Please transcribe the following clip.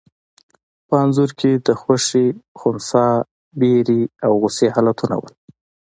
په انځور کې د خوښي، خنثی، وېرې او غوسې حالتونه وو.